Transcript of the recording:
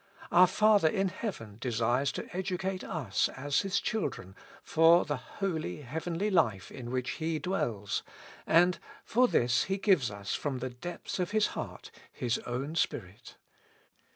Our Father in heaven desires to educate us as His chil dren for the holy, heavenly life in which He dwells, and for this gives us, from the depths of His heart, His own Spirit.